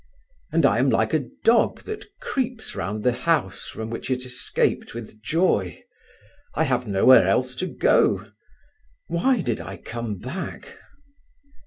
And I am like a dog that creeps round the house from which it escaped with joy. I have nowhere else to go. Why did I come back?